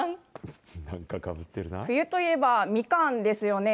冬といえばみかんですよね。